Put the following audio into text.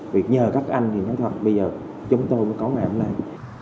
việc nhờ các anh thì thật bây giờ chúng tôi mới có ngày hôm nay